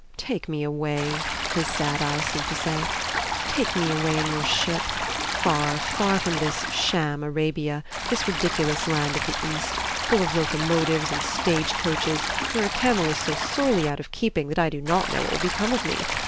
"Take me away," his sad eyes seemed to say, "take me away in your ship, far, far from this sham Arabia, this ridiculous Land of the East, full of locomotives and stage coaches, where a camel is so sorely out of keeping that I do not know what will become of me.